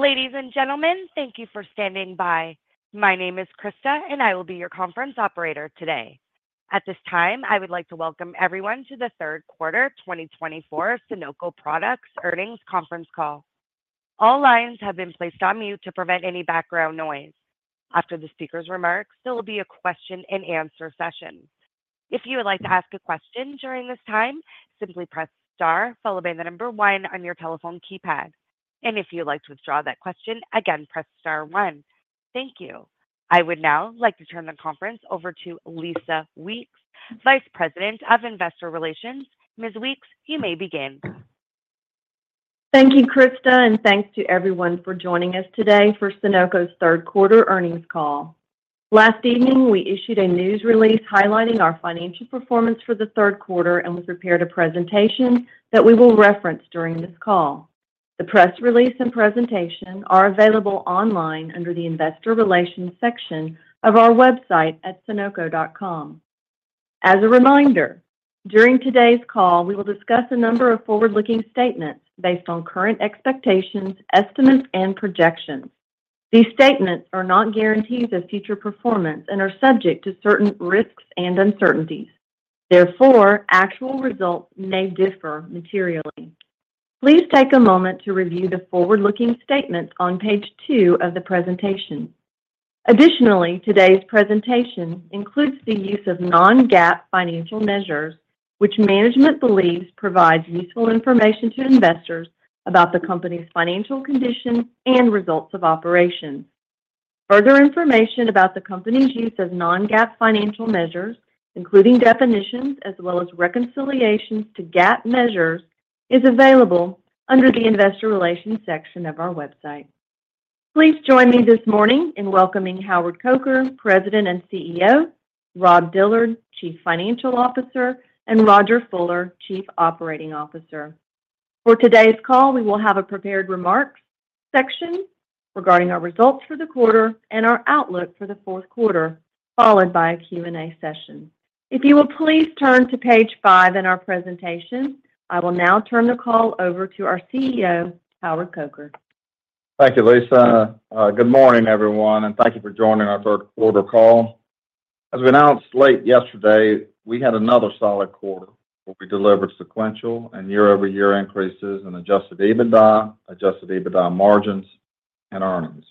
Ladies and gentlemen, thank you for standing by. My name is Krista, and I will be your conference operator today. At this time, I would like to welcome everyone to the Third Quarter 2024 of Sonoco Products' Earnings Conference Call. All lines have been placed on mute to prevent any background noise. After the speaker's remarks, there will be a question-and-answer session. If you would like to ask a question during this time, simply press star, followed by the number one on your telephone keypad. And if you'd like to withdraw that question, again, press star one. Thank you. I would now like to turn the conference over to Lisa Weeks, Vice President of Investor Relations. Ms. Weeks, you may begin. Thank you, Krista, and thanks to everyone for joining us today for Sonoco's Third Quarter Earnings Call. Last evening, we issued a news release highlighting our financial performance for the third quarter and we prepared a presentation that we will reference during this call. The press release and presentation are available online under the Investor Relations section of our website at sonoco.com. As a reminder, during today's call, we will discuss a number of forward-looking statements based on current expectations, estimates, and projections. These statements are not guarantees of future performance and are subject to certain risks and uncertainties. Therefore, actual results may differ materially. Please take a moment to review the forward-looking statements on Page 2 of the presentation. Additionally, today's presentation includes the use of non-GAAP financial measures, which management believes provides useful information to investors about the company's financial condition and results of operations. Further information about the company's use of non-GAAP financial measures, including definitions as well as reconciliations to GAAP measures, is available under the Investor Relations section of our website. Please join me this morning in welcoming Howard Coker, President and CEO, Rob Dillard, Chief Financial Officer, and Rodger Fuller, Chief Operating Officer. For today's call, we will have a prepared remarks section regarding our results for the quarter and our outlook for the fourth quarter, followed by a Q&A session. If you will please turn to Page 5 in our presentation, I will now turn the call over to our CEO, Howard Coker. Thank you, Lisa. Good morning, everyone, and thank you for joining our third quarter call. As we announced late yesterday, we had another solid quarter where we delivered sequential and year-over-year increases in Adjusted EBITDA, Adjusted EBITDA margins, and earnings.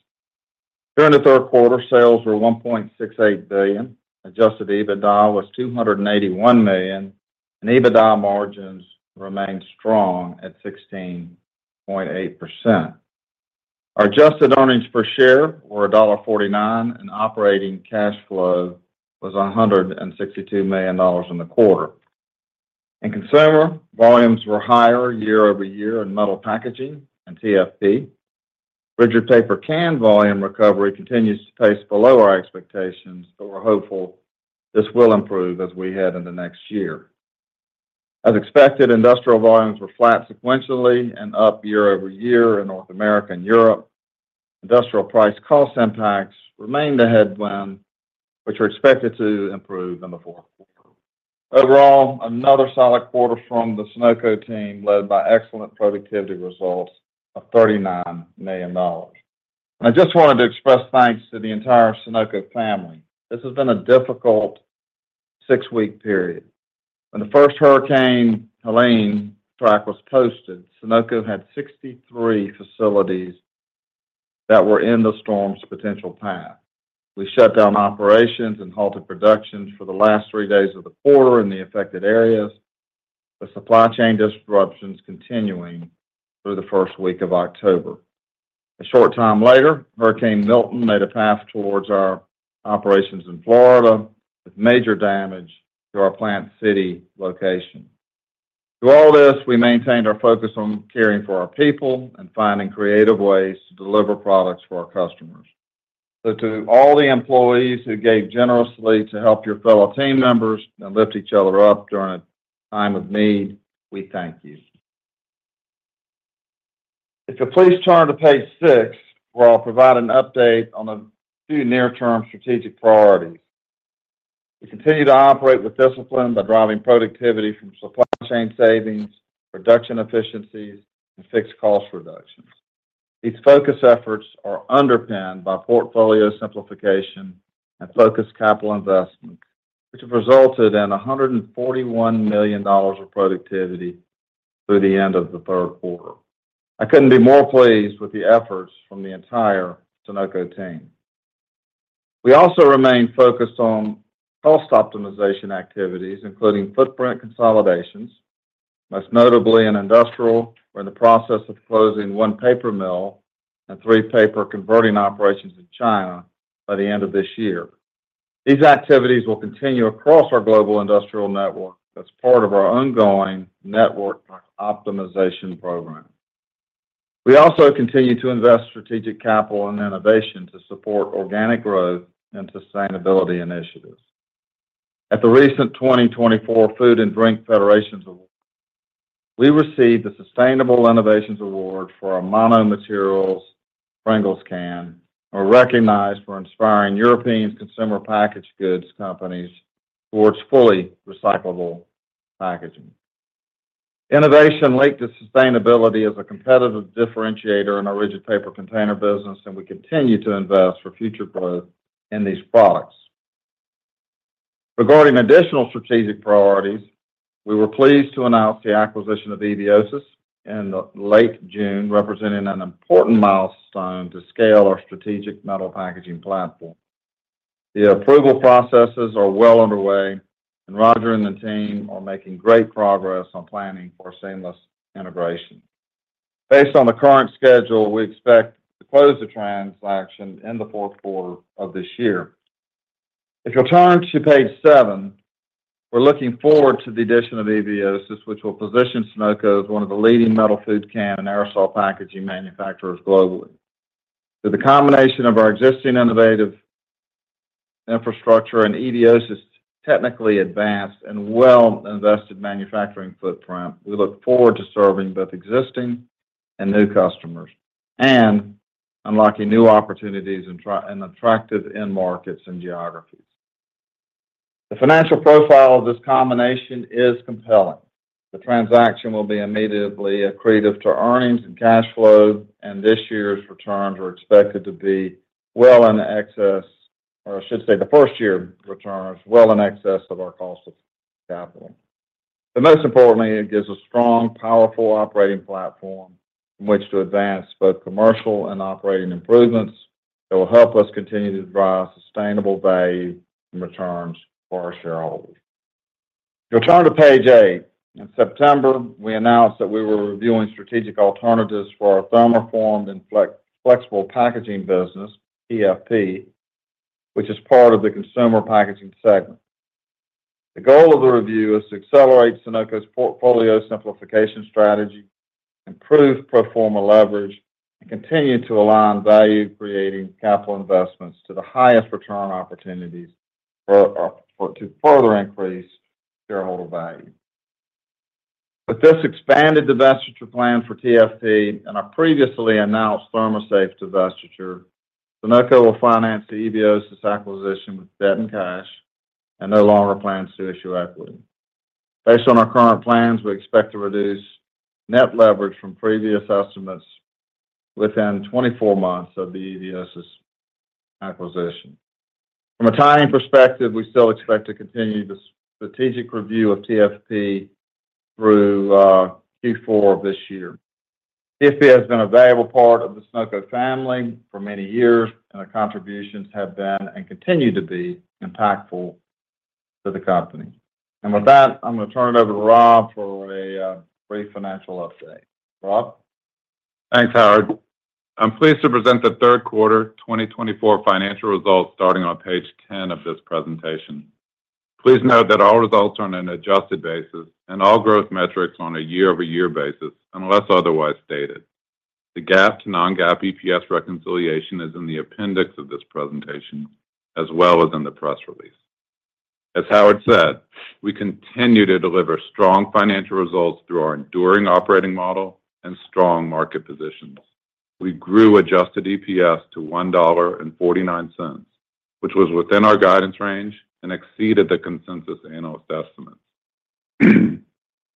During the third quarter, sales were $1.68 billion. Adjusted EBITDA was $281 million, and EBITDA margins remained strong at 16.8%. Our adjusted earnings per share were $1.49, and operating cash flow was $162 million in the quarter. In Consumer volumes were higher year-over-year in Metal Packaging and TFP. Rigid paper can volume recovery continues to pace below our expectations, but we're hopeful this will improve as we head into next year. As expected, Industrial volumes were flat sequentially and up year-over-year in North America and Europe. Industrial price cost impacts remained a headwind, which are expected to improve in the fourth quarter. Overall, another solid quarter from the Sonoco team led by excellent productivity results of $39 million. I just wanted to express thanks to the entire Sonoco family. This has been a difficult six-week period. When the first Hurricane Helene track was posted, Sonoco had 63 facilities that were in the storm's potential path. We shut down operations and halted productions for the last three days of the quarter in the affected areas, with supply chain disruptions continuing through the first week of October. A short time later, Hurricane Milton made a path towards our operations in Florida, with major damage to our Plant City location. Through all this, we maintained our focus on caring for our people and finding creative ways to deliver products for our customers. So to all the employees who gave generously to help your fellow team members and lift each other up during a time of need, we thank you. If you'll please turn to Page 6, where I'll provide an update on a few near-term strategic priorities. We continue to operate with discipline by driving productivity from supply chain savings, production efficiencies, and fixed cost reductions. These focus efforts are underpinned by portfolio simplification and focused capital investments, which have resulted in $141 million of productivity through the end of the third quarter. I couldn't be more pleased with the efforts from the entire Sonoco team. We also remain focused on cost optimization activities, including footprint consolidations, most notably in Industrial. We're in the process of closing one paper mill and three paper converting operations in China by the end of this year. These activities will continue across our global Industrial network as part of our ongoing network optimization program. We also continue to invest strategic capital and innovation to support organic growth and sustainability initiatives. At the recent 2024 Food and Drink Federation Award, we received the Sustainable Innovations Award for our monomaterial Pringles can, and we're recognized for inspiring European Consumer packaged goods companies towards fully recyclable packaging. Innovation linked to sustainability is a competitive differentiator in our rigid paper container business, and we continue to invest for future growth in these products. Regarding additional strategic priorities, we were pleased to announce the acquisition of Eviosys in late June, representing an important milestone to scale our strategic Metal Packaging platform. The approval processes are well underway, and Rodger and the team are making great progress on planning for seamless integration. Based on the current schedule, we expect to close the transaction in the fourth quarter of this year. If you'll turn to Page 7, we're looking forward to the addition of Eviosys, which will position Sonoco as one of the leading metal food can and aerosol packaging manufacturers globally. With the combination of our existing innovative infrastructure and Eviosys's technically advanced and well-invested manufacturing footprint, we look forward to serving both existing and new customers and unlocking new opportunities and attractive end markets and geographies. The financial profile of this combination is compelling. The transaction will be immediately accretive to earnings and cash flow, and this year's returns are expected to be well in excess, or I should say the first year returns well in excess of our cost of capital. But most importantly, it gives a strong, powerful operating platform from which to advance both commercial and operating improvements that will help us continue to drive sustainable value and returns for our shareholders. If you'll turn to Page 8, in September, we announced that we were reviewing strategic alternatives for our thermoformed and flexible packaging business, TFP, which is part of the Consumer packaging segment. The goal of the review is to accelerate Sonoco's portfolio simplification strategy, improve pro forma leverage, and continue to align value-creating capital investments to the highest return opportunities to further increase shareholder value. With this expanded divestiture plan for TFP and our previously announced ThermoSafe divestiture, Sonoco will finance the Eviosys acquisition with debt and cash and no longer plans to issue equity. Based on our current plans, we expect to reduce net leverage from previous estimates within 24 months of the Eviosys acquisition. From a timing perspective, we still expect to continue the strategic review of TFP through Q4 of this year. TFP has been a valuable part of the Sonoco family for many years, and their contributions have been and continue to be impactful to the company. And with that, I'm going to turn it over to Rob for a brief financial update. Rob? Thanks, Howard. I'm pleased to present the third quarter 2024 financial results starting on Page 10 of this presentation. Please note that all results are on an adjusted basis and all growth metrics on a year-over-year basis unless otherwise stated. The GAAP to non-GAAP EPS reconciliation is in the appendix of this presentation as well as in the press release. As Howard said, we continue to deliver strong financial results through our enduring operating model and strong market positions. We grew adjusted EPS to $1.49, which was within our guidance range and exceeded the consensus analyst estimates.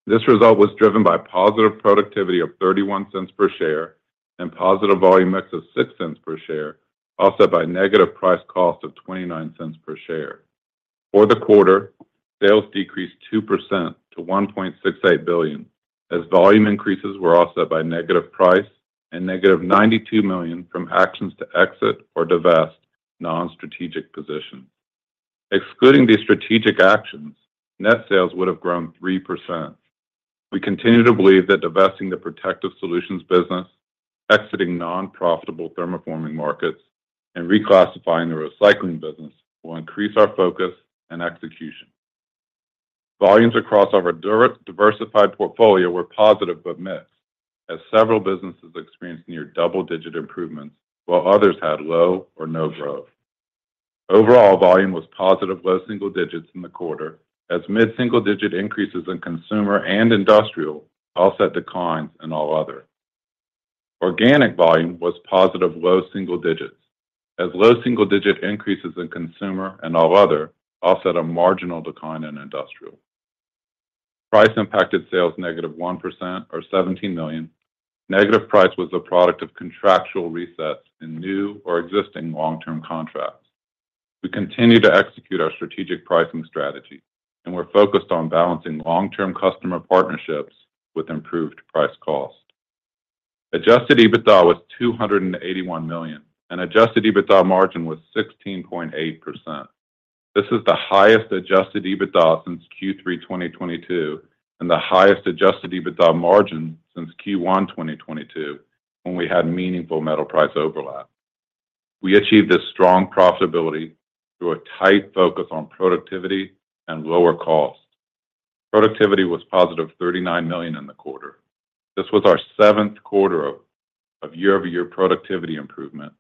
This result was driven by positive productivity of $0.31 per share and positive volume mix of $0.06 per share, offset by negative price cost of $0.29 per share. For the quarter, sales decreased 2% to $1.68 billion as volume increases were offset by negative price and negative $92 million from actions to exit or divest non-strategic positions. Excluding these strategic actions, net sales would have grown 3%. We continue to believe that divesting the Protective Solutions business, exiting non-profitable thermoforming markets, and reclassifying the recycling business will increase our focus and execution. Volumes across our diversified portfolio were positive but mixed, as several businesses experienced near double-digit improvements while others had low or no growth. Overall volume was positive low single digits in the quarter, as mid-single digit increases in Consumer and Industrial offset declines in all other. Organic volume was positive low single digits, as low single digit increases in Consumer and all other offset a marginal decline in Industrial. Price impacted sales negative 1% or $17 million. Negative price was the product of contractual resets in new or existing long-term contracts. We continue to execute our strategic pricing strategy, and we're focused on balancing long-term customer partnerships with improved price cost. Adjusted EBITDA was $281 million, and Adjusted EBITDA margin was 16.8%. This is the highest Adjusted EBITDA since Q3 2022 and the highest Adjusted EBITDA margin since Q1 2022 when we had meaningful metal price overlap. We achieved this strong profitability through a tight focus on productivity and lower cost. Productivity was positive $39 million in the quarter. This was our seventh quarter of year-over-year productivity improvement.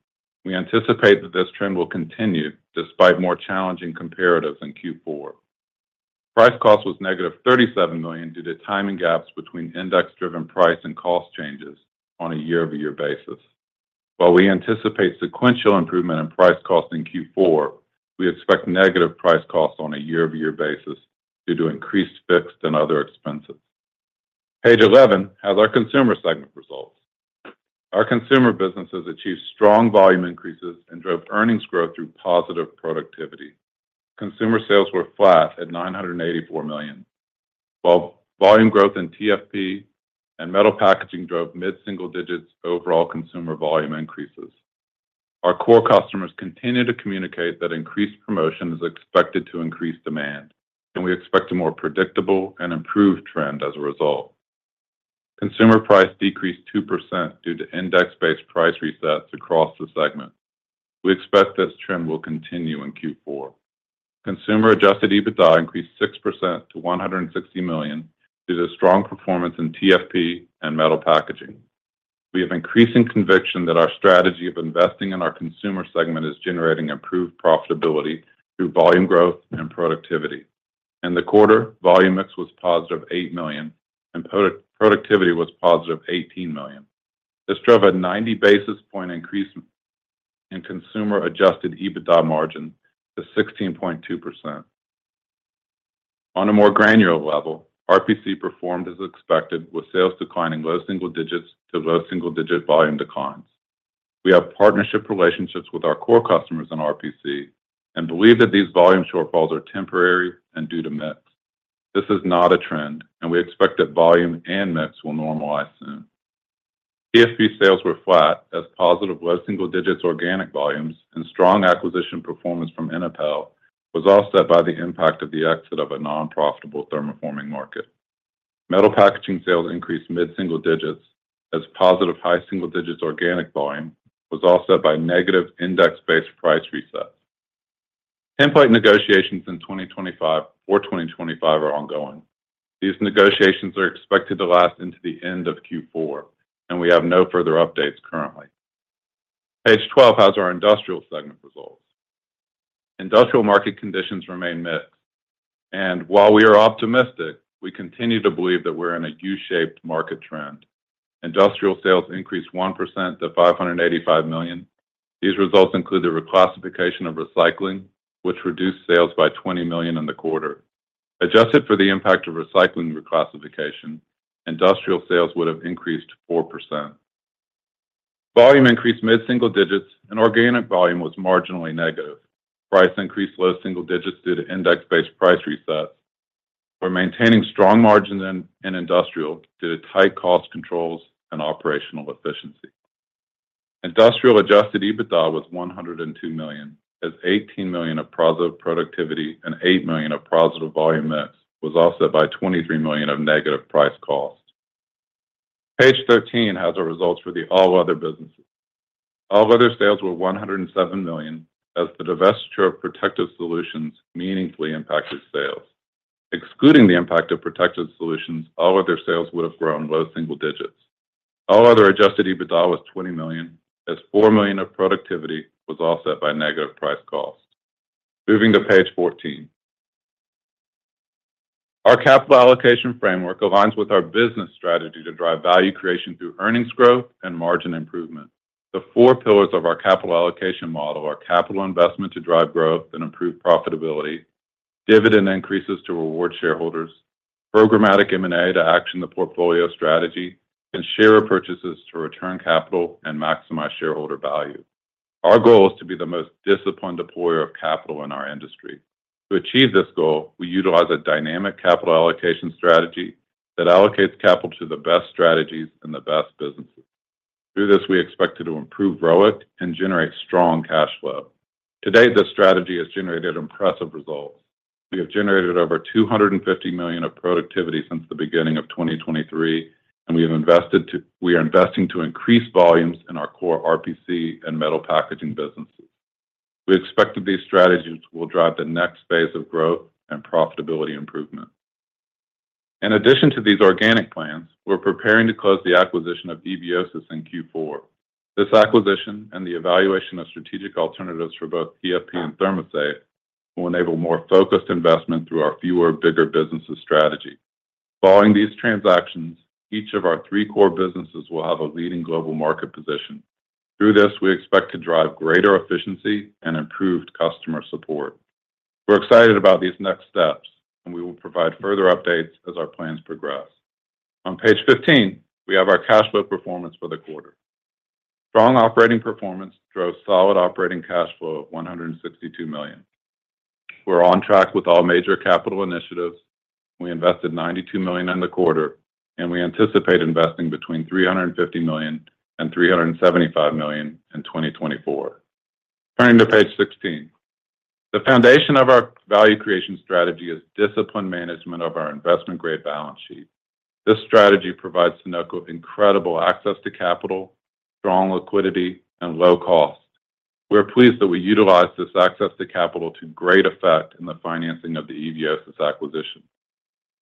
We anticipate that this trend will continue despite more challenging comparatives in Q4. Price cost was negative $37 million due to timing gaps between index-driven price and cost changes on a year-over-year basis. While we anticipate sequential improvement in price cost in Q4, we expect negative price cost on a year-over-year basis due to increased fixed and other expenses. Page 11 has our Consumer segment results. Our Consumer businesses achieved strong volume increases and drove earnings growth through positive productivity. Consumer sales were flat at $984 million, while volume growth in TFP and Metal Packaging drove mid-single digits overall Consumer volume increases. Our core customers continue to communicate that increased promotion is expected to increase demand, and we expect a more predictable and improved trend as a result. Consumer price decreased 2% due to index-based price resets across the segment. We expect this trend will continue in Q4. Consumer Adjusted EBITDA increased 6% to $160 million due to strong performance in TFP and Metal Packaging. We have increasing conviction that our strategy of investing in our Consumer segment is generating improved profitability through volume growth and productivity. In the quarter, volume mix was positive $8 million, and productivity was positive $18 million. This drove a 90 basis points increase in Consumer Adjusted EBITDA margin to 16.2%. On a more granular level, RPC performed as expected, with sales declining low single digits to low single digit volume declines. We have partnership relationships with our core customers in RPC and believe that these volume shortfalls are temporary and due to mix. This is not a trend, and we expect that volume and mix will normalize soon. TFP sales were flat as positive low single digits organic volumes and strong acquisition performance from Inapel was offset by the impact of the exit of a non-profitable thermoforming market. Metal Packaging sales increased mid-single digits as positive high single digits organic volume was offset by negative index-based price resets. Tender negotiations in 2025 for 2025 are ongoing. These negotiations are expected to last into the end of Q4, and we have no further updates currently. Page 12 has our Industrial segment results. Industrial market conditions remain mixed, and while we are optimistic, we continue to believe that we're in a U-shaped market trend. Industrial sales increased 1% to $585 million. These results include the reclassification of recycling, which reduced sales by $20 million in the quarter. Adjusted for the impact of recycling reclassification, Industrial sales would have increased 4%. Volume increased mid-single digits, and organic volume was marginally negative. Price increased low single digits due to index-based price resets. We're maintaining strong margins in Industrial due to tight cost controls and operational efficiency. Industrial Adjusted EBITDA was $102 million, as $18 million of positive productivity and $8 million of positive volume mix was offset by $23 million of negative price cost. Page 13 has our results for the All Other businesses. All Other sales were $107 million, as the divestiture of Protective Solutions meaningfully impacted sales. Excluding the impact of Protective Solutions, All Other sales would have grown low single digits. All Other Adjusted EBITDA was $20 million, as $4 million of productivity was offset by negative price cost. Moving to Page 14. Our capital allocation framework aligns with our business strategy to drive value creation through earnings growth and margin improvement. The four pillars of our capital allocation model are capital investment to drive growth and improve profitability, dividend increases to reward shareholders, programmatic M&A to action the portfolio strategy, and share purchases to return capital and maximize shareholder value. Our goal is to be the most disciplined deployer of capital in our industry. To achieve this goal, we utilize a dynamic capital allocation strategy that allocates capital to the best strategies and the best businesses. Through this, we expect to improve ROIC and generate strong cash flow. Today, this strategy has generated impressive results. We have generated over $250 million of productivity since the beginning of 2023, and we are investing to increase volumes in our core RPC and Metal Packaging businesses. We expect that these strategies will drive the next phase of growth and profitability improvement. In addition to these organic plans, we're preparing to close the acquisition of Eviosys in Q4. This acquisition and the evaluation of strategic alternatives for both TFP and ThermoSafe will enable more focused investment through our fewer bigger businesses strategy. Following these transactions, each of our three core businesses will have a leading global market position. Through this, we expect to drive greater efficiency and improved customer support. We're excited about these next steps, and we will provide further updates as our plans progress. On Page 15, we have our cash flow performance for the quarter. Strong operating performance drove solid operating cash flow of $162 million. We're on track with all major capital initiatives. We invested $92 million in the quarter, and we anticipate investing between $350 million and $375 million in 2024. Turning to Page 16, the foundation of our value creation strategy is discipline management of our investment-grade balance sheet. This strategy provides Sonoco incredible access to capital, strong liquidity, and low cost. We're pleased that we utilize this access to capital to great effect in the financing of the Eviosys acquisition.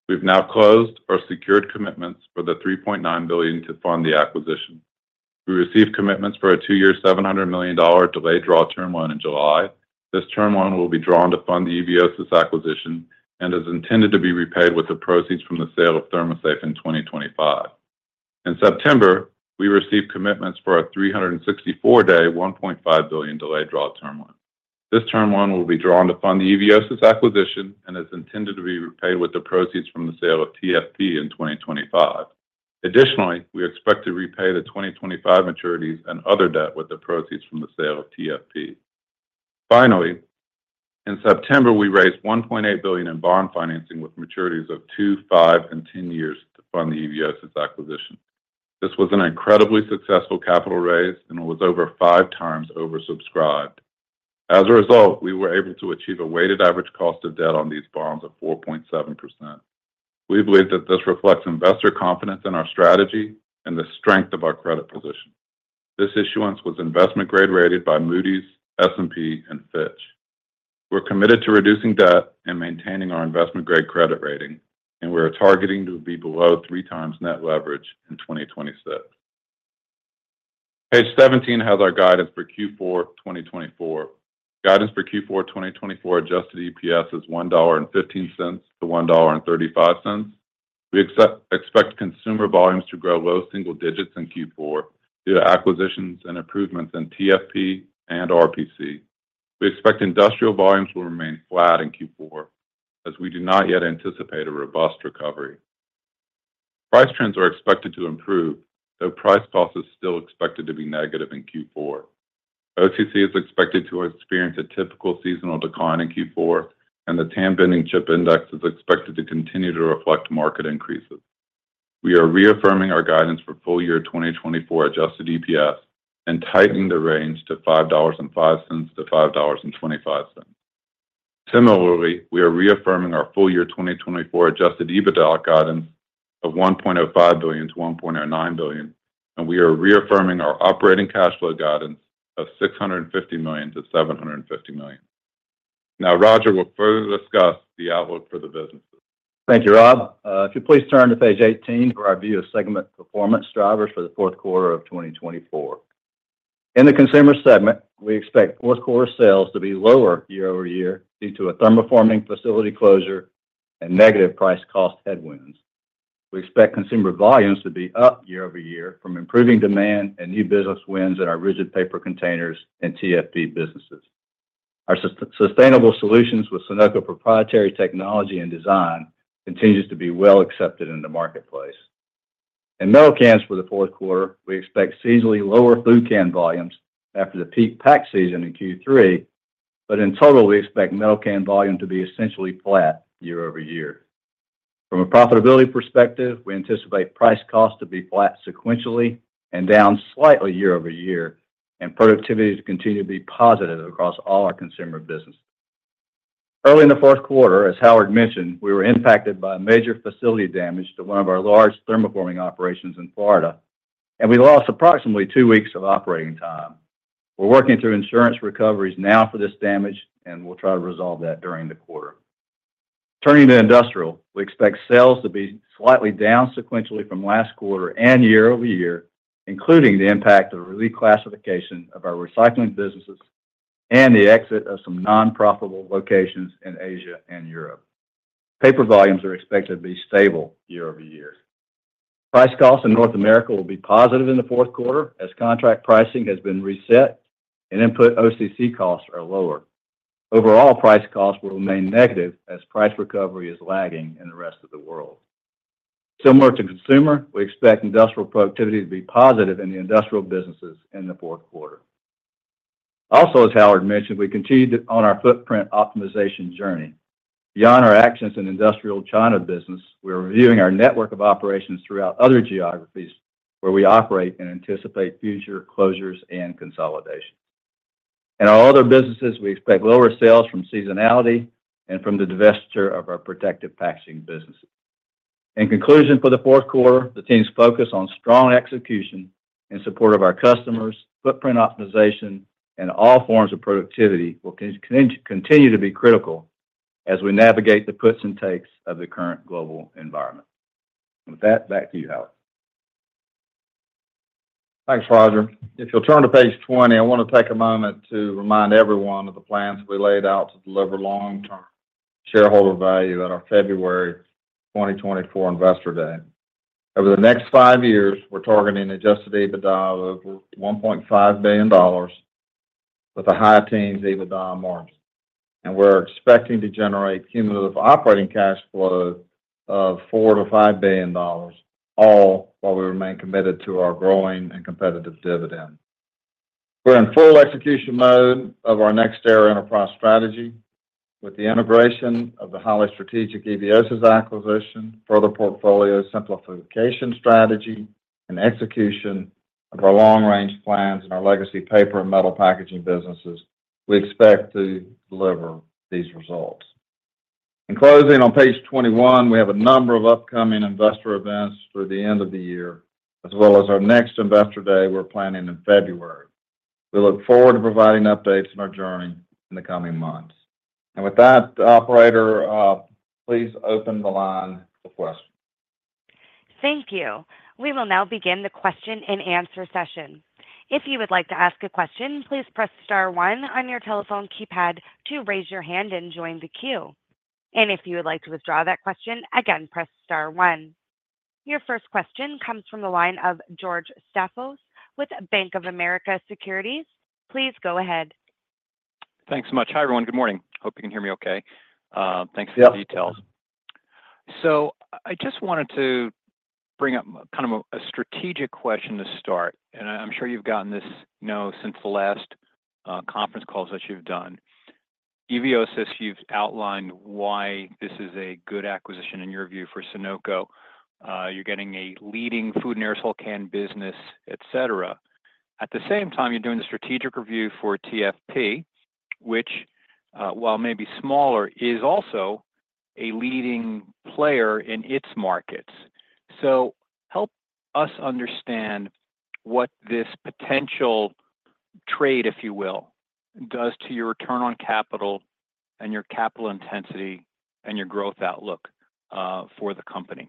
We've now closed or secured commitments for the $3.9 billion to fund the acquisition. We received commitments for a two-year $700 million delayed draw term loan in July. This term loan will be drawn to fund the Eviosys acquisition and is intended to be repaid with the proceeds from the sale of ThermoSafe in 2025. In September, we received commitments for a 364-day $1.5 billion delayed draw term loan. This term loan will be drawn to fund the Eviosys acquisition and is intended to be repaid with the proceeds from the sale of TFP in 2025. Additionally, we expect to repay the 2025 maturities and other debt with the proceeds from the sale of TFP. Finally, in September, we raised $1.8 billion in bond financing with maturities of two, five, and ten years to fund the Eviosys acquisition. This was an incredibly successful capital raise and was over five times oversubscribed. As a result, we were able to achieve a weighted average cost of debt on these bonds of 4.7%. We believe that this reflects investor confidence in our strategy and the strength of our credit position. This issuance was investment-grade rated by Moody's, S&P, and Fitch. We're committed to reducing debt and maintaining our investment-grade credit rating, and we are targeting to be below three times net leverage in 2026. Page 17 has our guidance for Q4 2024. Guidance for Q4 2024 adjusted EPS is $1.15-$1.35. We expect Consumer volumes to grow low single digits in Q4 due to acquisitions and improvements in TFP and RPC. We expect Industrial volumes will remain flat in Q4, as we do not yet anticipate a robust recovery. Price trends are expected to improve, though price cost is still expected to be negative in Q4. OCC is expected to experience a typical seasonal decline in Q4, and the Tan Bending Chip Index is expected to continue to reflect market increases. We are reaffirming our guidance for full year 2024 Adjusted EPS and tightening the range to $5.05-$5.25. Similarly, we are reaffirming our full year 2024 Adjusted EBITDA guidance of $1.05 billion-$1.09 billion, and we are reaffirming our operating cash flow guidance of $650 million-$750 million. Now, Rodger will further discuss the outlook for the businesses. Thank you, Rob. If you please turn to Page 18 for our view of segment performance drivers for the fourth quarter of 2024. In the Consumer segment, we expect fourth quarter sales to be lower year-over-year due to a thermoforming facility closure and negative price cost headwinds. We expect Consumer volumes to be up year-over-year from improving demand and new business wins in our rigid paper containers and TFP businesses. Our sustainable solutions with Sonoco proprietary technology and design continue to be well accepted in the marketplace. In metal cans for the fourth quarter, we expect seasonally lower food can volumes after the peak pack season in Q3, but in total, we expect metal can volume to be essentially flat year-over-year. From a profitability perspective, we anticipate price cost to be flat sequentially and down slightly year-over-year, and productivity to continue to be positive across all our Consumer businesses. Early in the fourth quarter, as Howard mentioned, we were impacted by major facility damage to one of our large thermoforming operations in Florida, and we lost approximately two weeks of operating time. We're working through insurance recoveries now for this damage, and we'll try to resolve that during the quarter. Turning to Industrial, we expect sales to be slightly down sequentially from last quarter and year-over-year, including the impact of reclassification of our recycling businesses and the exit of some non-profitable locations in Asia and Europe. Paper volumes are expected to be stable year-over-year. Price cost in North America will be positive in the fourth quarter, as contract pricing has been reset and input OCC costs are lower. Overall, price cost will remain negative as price recovery is lagging in the rest of the world. Similar to Consumer, we expect Industrial productivity to be positive in the Industrial businesses in the fourth quarter. Also, as Howard mentioned, we continue to on our footprint optimization journey. Beyond our actions in Industrial China business, we are reviewing our network of operations throughout other geographies where we operate and anticipate future closures and consolidations. In our other businesses, we expect lower sales from seasonality and from the divestiture of our protective packaging businesses. In conclusion, for the fourth quarter, the team's focus on strong execution in support of our customers, footprint optimization, and all forms of productivity will continue to be critical as we navigate the puts and takes of the current global environment. With that, back to you, Howard. Thanks, Rodger. If you'll turn to Page 20, I want to take a moment to remind everyone of the plans we laid out to deliver long-term shareholder value at our February 2024 Investor Day. Over the next five years, we're targeting Adjusted EBITDA of over $1.5 billion, with a high teens EBITDA margin, and we're expecting to generate cumulative operating cash flow of $4 billion-$5 billion, all while we remain committed to our growing and competitive dividend. We're in full execution mode of our next-era enterprise strategy, with the integration of the highly strategic Eviosys acquisition, further portfolio simplification strategy, and execution of our long-range plans in our legacy paper and Metal Packaging businesses. We expect to deliver these results. In closing, on Page 21, we have a number of upcoming investor events through the end of the year, as well as our next Investor Day we're planning in February. We look forward to providing updates on our journey in the coming months. And with that, Operator, please open the line for questions. Thank you. We will now begin the question-and-answer session. If you would like to ask a question, please press star one on your telephone keypad to raise your hand and join the queue. And if you would like to withdraw that question, again, press star one. Your first question comes from the line of George Staphos with Bank of America Securities. Please go ahead. Thanks so much. Hi, everyone. Good morning. Hope you can hear me okay. Thanks for the details. So I just wanted to bring up kind of a strategic question to start. And I'm sure you've gotten this, you know, since the last conference calls that you've done. Eviosys, you've outlined why this is a good acquisition in your view for Sonoco. You're getting a leading food and aerosol can business, et cetera. At the same time, you're doing the strategic review for TFP, which, while maybe smaller, is also a leading player in its markets. So help us understand what this potential trade, if you will, does to your return on capital and your capital intensity and your growth outlook for the company.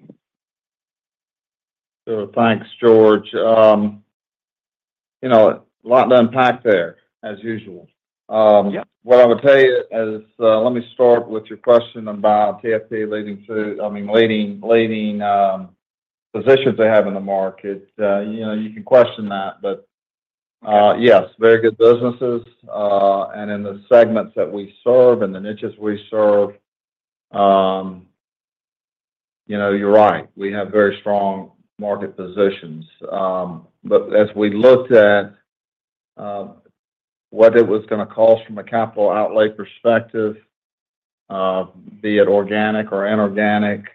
Thanks, George. You know, a lot to unpack there, as usual. What I would tell you is, let me start with your question about TFP leading to, I mean, leading positions they have in the market. You can question that, but yes, very good businesses. And in the segments that we serve and the niches we serve, you're right. We have very strong market positions. But as we looked at what it was going to cost from a capital outlay perspective, be it organic or inorganic,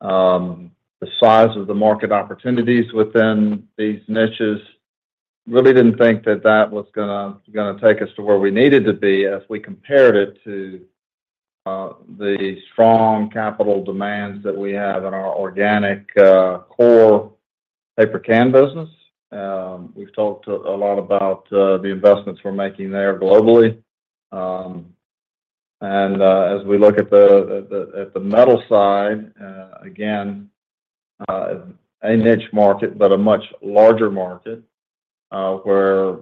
the size of the market opportunities within these niches really didn't think that that was going to take us to where we needed to be as we compared it to the strong capital demands that we have in our organic core paper can business. We've talked a lot about the investments we're making there globally. And as we look at the metal side, again, a niche market, but a much larger market where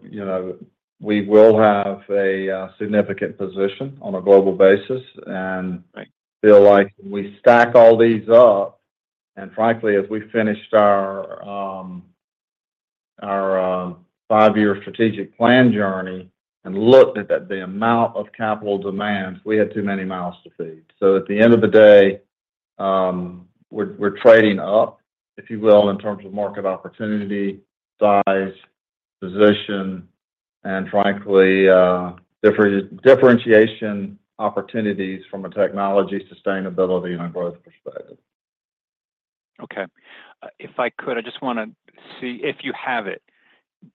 we will have a significant position on a global basis. And I feel like we stack all these up. And frankly, as we finished our five-year strategic plan journey and looked at the amount of capital demands, we had too many mouths to feed. So at the end of the day, we're trading up, if you will, in terms of market opportunity, size, position, and frankly, differentiation opportunities from a technology sustainability and a growth perspective. Okay. If I could, I just want to see if you have it.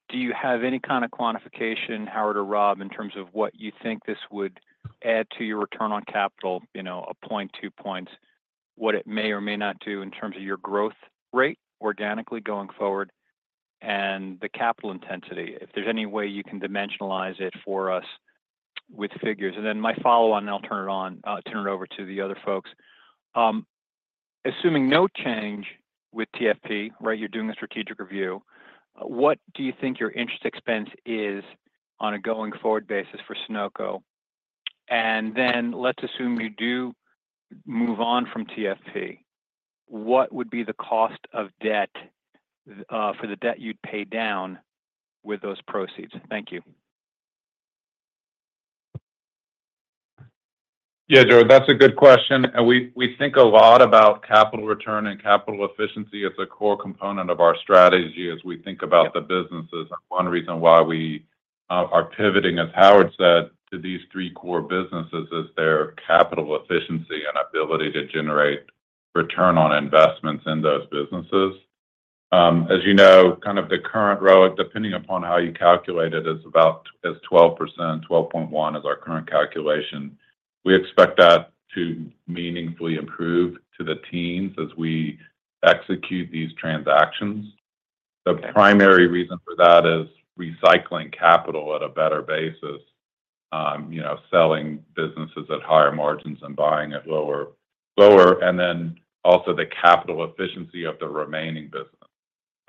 Do you have any kind of quantification, Howard or Rob, in terms of what you think this would add to your return on capital, a point, two points, what it may or may not do in terms of your growth rate organically going forward and the capital intensity? If there's any way you can dimensionalize it for us with figures. And then my follow-on, and I'll turn it on, turn it over to the other folks. Assuming no change with TFP, right, you're doing a strategic review, what do you think your interest expense is on a going forward basis for Sonoco? And then let's assume you do move on from TFP. What would be the cost of debt for the debt you'd pay down with those proceeds? Thank you. Yeah, Joe, that's a good question. And we think a lot about capital return and capital efficiency as a core component of our strategy as we think about the businesses. One reason why we are pivoting, as Howard said, to these three core businesses is their capital efficiency and ability to generate return on investments in those businesses. As you know, kind of the current ROIC, depending upon how you calculate it, is about 12%, 12.1% is our current calculation. We expect that to meaningfully improve to the teens as we execute these transactions. The primary reason for that is recycling capital at a better basis, selling businesses at higher margins and buying at lower, and then also the capital efficiency of the remaining business.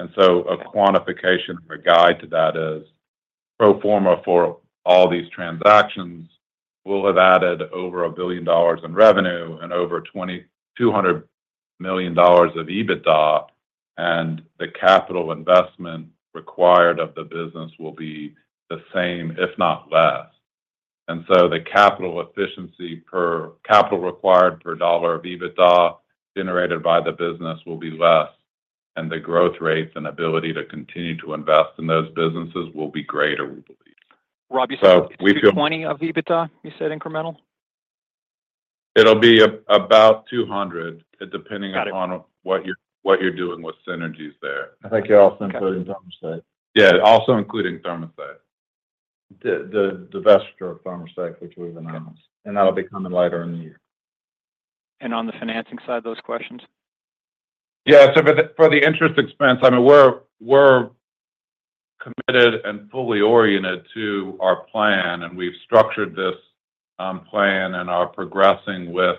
A quantification or a guide to that is pro forma for all these transactions will have added over $1 billion in revenue and over $200 million of EBITDA, and the capital investment required of the business will be the same, if not less. The capital efficiency per capital required per dollar of EBITDA generated by the business will be less, and the growth rates and ability to continue to invest in those businesses will be greater, we believe. Rob, you said 20 of EBITDA, you said incremental? It'll be about 200, depending upon what you're doing with synergies there. I think you're also including ThermoSafe. Yeah, also including ThermoSafe. The divestiture of ThermoSafe, which we've announced, and that'll be coming later in the year. And on the financing side, those questions? Yeah, so for the interest expense, I mean, we're committed and fully oriented to our plan, and we've structured this plan and are progressing with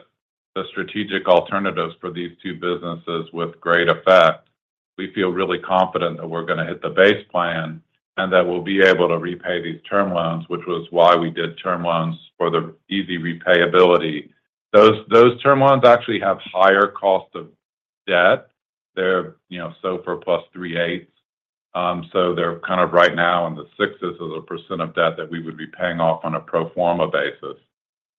the strategic alternatives for these two businesses with great effect. We feel really confident that we're going to hit the base plan and that we'll be able to repay these term loans, which was why we did term loans for the easy repayability. Those term loans actually have higher cost of debt. They're SOFR +3.8%. So they're kind of right now in the sixes as a % of debt that we would be paying off on a pro forma basis.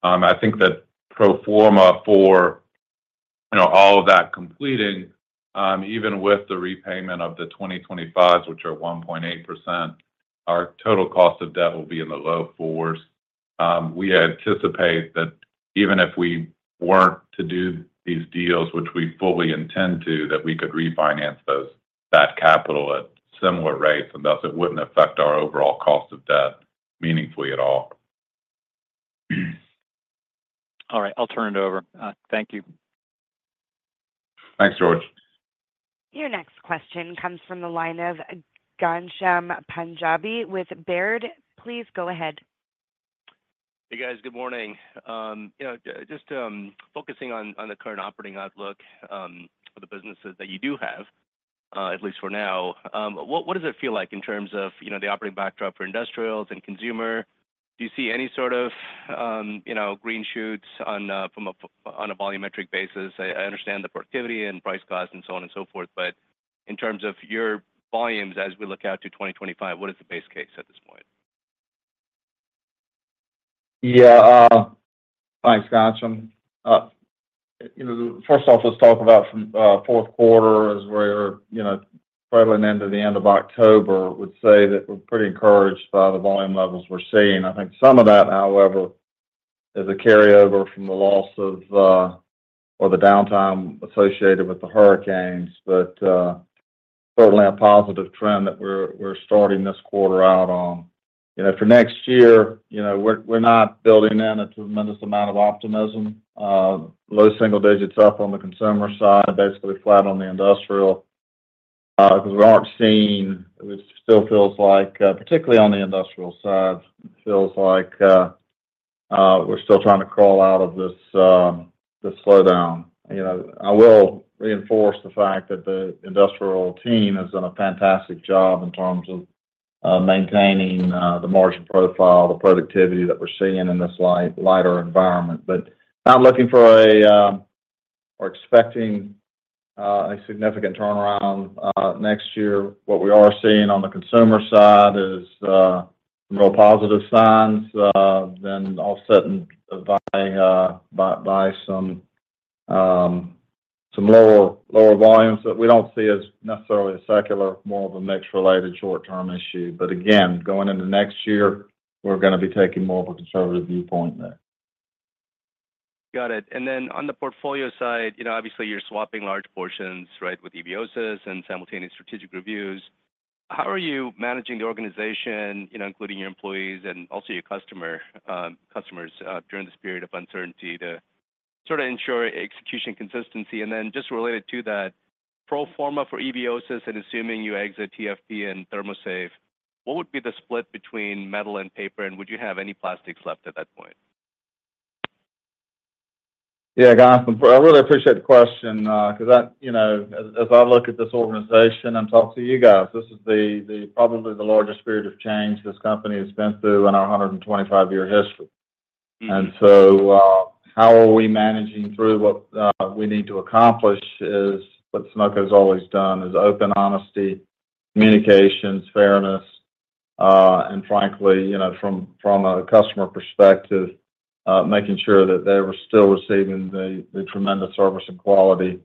I think that pro forma for all of that completing, even with the repayment of the 2025s, which are 1.8%, our total cost of debt will be in the low fours. We anticipate that even if we weren't to do these deals, which we fully intend to, that we could refinance that capital at similar rates and thus it wouldn't affect our overall cost of debt meaningfully at all. All right, I'll turn it over. Thank you. Thanks, George. Your next question comes from the line of Ghansham Panjabi with Baird. Please go ahead. Hey, guys, good morning. Just focusing on the current operating outlook for the businesses that you do have, at least for now, what does it feel like in terms of the operating backdrop for Industrials and Consumer? Do you see any sort of green shoots on a volumetric basis? I understand the productivity and price/cost and so on and so forth, but in terms of your volumes as we look out to 2025, what is the base case at this point? Yeah, thanks, Ghansham. First off, let's talk about fourth quarter as we're probably into the end of October. I would say that we're pretty encouraged by the volume levels we're seeing. I think some of that, however, is a carryover from the loss of or the downtime associated with the hurricanes, but certainly a positive trend that we're starting this quarter out on. For next year, we're not building in a tremendous amount of optimism. Low single digits up on the Consumer side, basically flat on the Industrial because we aren't seeing, it still feels like, particularly on the Industrial side, it feels like we're still trying to crawl out of this slowdown. I will reinforce the fact that the Industrial team has done a fantastic job in terms of maintaining the margin profile, the productivity that we're seeing in this lighter environment. But not looking for or expecting a significant turnaround next year. What we are seeing on the Consumer side is more positive signs than offset by some lower volumes that we don't see as necessarily a secular, more of a mix-related short-term issue. But again, going into next year, we're going to be taking more of a conservative viewpoint there. Got it. And then on the portfolio side, obviously, you're swapping large portions, right, with Eviosys and simultaneous strategic reviews. How are you managing the organization, including your employees and also your customers during this period of uncertainty to sort of ensure execution consistency? And then just related to that, pro forma for Eviosys and assuming you exit TFP and ThermoSafe, what would be the split between metal and paper, and would you have any plastics left at that point? Yeah, guys, I really appreciate the question because as I look at this organization and talk to you guys, this is probably the largest period of change this company has been through in our 125-year history. And so how are we managing through what we need to accomplish is what Sonoco has always done: open honesty, communications, fairness, and frankly, from a customer perspective, making sure that they were still receiving the tremendous service and quality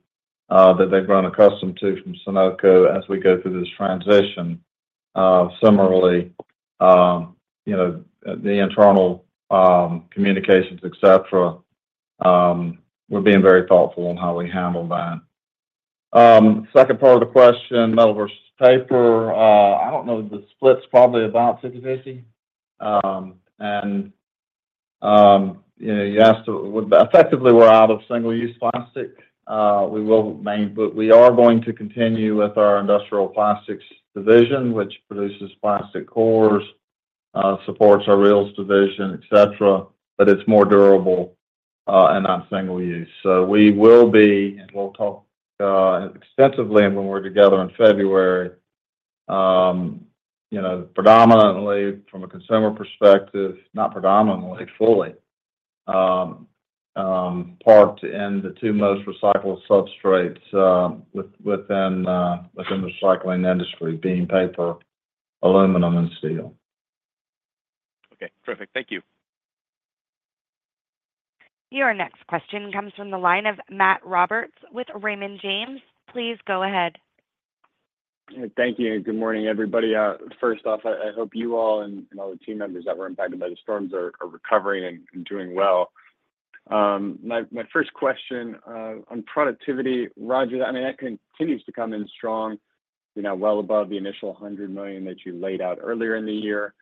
that they've grown accustomed to from Sonoco as we go through this transition. Similarly, the internal communications, et cetera, we're being very thoughtful in how we handle that. Second part of the question, metal versus paper, I don't know the split's probably about 50/50, and you asked effectively we're out of single-use plastic. We will maintain, but we are going to continue with our Industrial Plastics division, which produces plastic cores, supports our reels division, et cetera, but it's more durable and not single-use. So we will be and we'll talk extensively when we're together in February, predominantly from a Consumer perspective, not predominantly, fully parked in the two most recycled substrates within the recycling industry, being paper, aluminum, and steel. Okay, terrific. Thank you. Your next question comes from the line of Matthew Roberts with Raymond James. Please go ahead. Thank you. Good morning, everybody. First off, I hope you all and all the team members that were impacted by the storms are recovering and doing well. My first question on productivity, Rodger, I mean, that continues to come in strong, well above the initial $100 million that you laid out earlier in the year.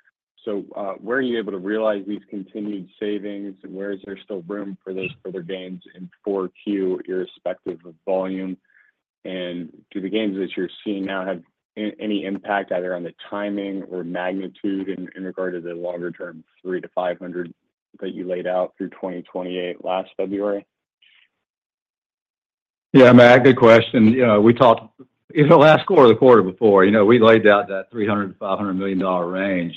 So where are you able to realize these continued savings? Where is there still room for their gains in 4Q irrespective of volume? And do the gains that you're seeing now have any impact either on the timing or magnitude in regard to the longer-term $300 million-$500 million that you laid out through 2028 last February? Yeah, Matt, good question. We talked in the last quarter or the quarter before. We laid out that $300 million-$500 million range,